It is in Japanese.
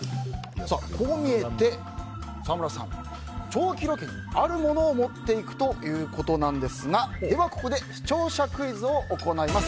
こう見えて、沢村さん長期ロケにあるものを持っていくということですがここで視聴者クイズを行います。